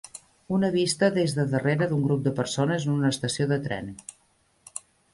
Una vista des de darrere d'un grup de persones en una estació de tren